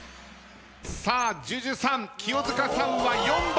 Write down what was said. さあＪＵＪＵさん清塚さんは４番。